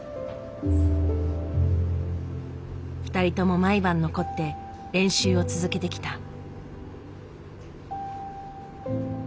２人とも毎晩残って練習を続けてきた。